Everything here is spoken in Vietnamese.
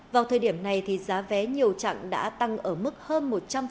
vào thời điểm này thì giá vé nhiều chặng đã tăng ở mức hơn một trăm linh